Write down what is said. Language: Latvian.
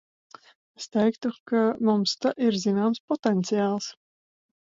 Es teiktu, ka mums te ir zināms potenciāls.